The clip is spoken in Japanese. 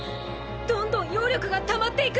どんどん妖力が溜まっていく！